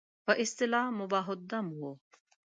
په اصطلاح مباح الدم وو.